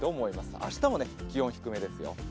明日も気温、低めですよ。